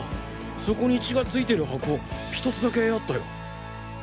そこに血が付いてる箱ひとつだけあったよ！